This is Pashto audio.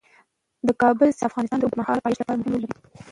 د کابل سیند د افغانستان د اوږدمهاله پایښت لپاره مهم رول لري.